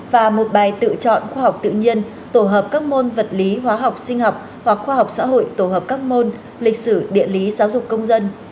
và một bài tự chọn khoa học tự nhiên tổ hợp các môn vật lý hóa học sinh học hoặc khoa học xã hội tổ hợp các môn lịch sử địa lý giáo dục công dân